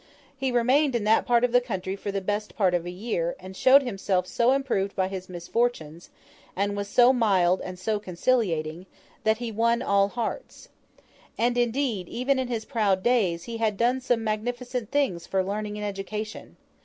He remained in that part of the country for the best part of a year, and showed himself so improved by his misfortunes, and was so mild and so conciliating, that he won all hearts. And indeed, even in his proud days, he had done some magnificent things for learning and education.